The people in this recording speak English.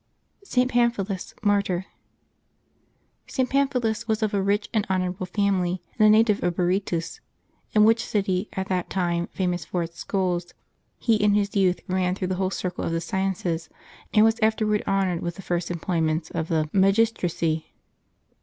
ST. PAMPHILUS, Martyr. [t. Pamphilus was of a rich and honorable family, and a native of Berytus, in which city, at that time famous for its schools, he in his youth ran through the whole circle of the sciences, and was afterward honored with the first employments of the magistracy.